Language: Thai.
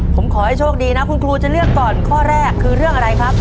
ผมขอให้โชคดีนะคุณครูจะเลือกก่อนข้อแรกคือเรื่องอะไรครับ